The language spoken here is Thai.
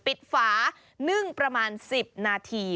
ฝานึ่งประมาณ๑๐นาที